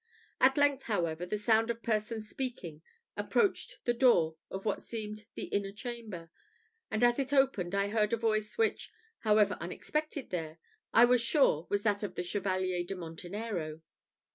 At length, however, the sound of persons speaking approached the door of what seemed the inner chamber; and, as it opened, I heard a voice which, however unexpected there, I was sure was that of the Chevalier de Montenero.